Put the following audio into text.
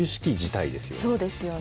これ、そうですよね。